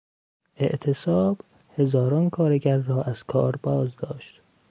اعتصاب، هزاران کارگر را از کار بازداشت.